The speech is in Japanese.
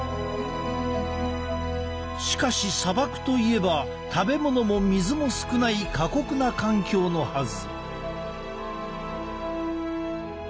しかし砂漠といえば食べ物も水も少ない過酷な環境のはず。